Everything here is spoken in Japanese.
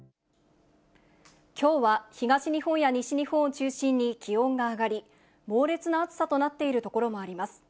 きょうは東日本や西日本を中心に気温が上がり、猛烈な暑さとなっている所もあります。